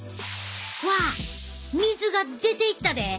わあ水が出ていったで！